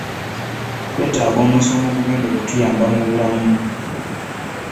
Twategese omusomo ogugenda okutuyamba mu bulamu.